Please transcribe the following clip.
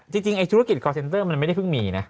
จริงธุรกิจคอร์เซ็นเตอร์มันไม่ได้เพิ่งมีนะ